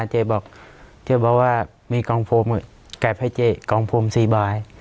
เจ๊บอกว่ามีกองโฟมเก็บให้เจ๊กองโฟม๔บาท